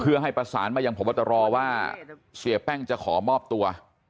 เพื่อให้ประสานมายังพบตรว่าเสียแป้งจะขอมอบตัว